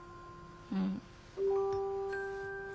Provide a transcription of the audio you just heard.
うん。